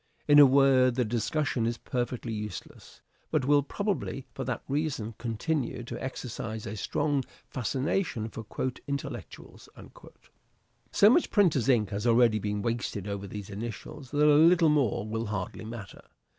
In a word, the discussion is perfectly useless, but will probably for that reason continue to exercise a strong fascination for " intellectuals." So much printer's ink has already been wasted over these initials that a little more will hardly matter.